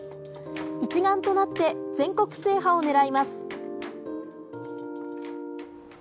一丸となって全国制覇を狙います。